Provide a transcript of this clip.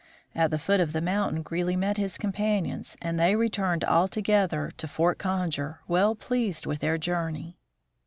At the foot of the mountain Greely met his companions, and they re turned all together to Fort Conger, well pleased with their journey.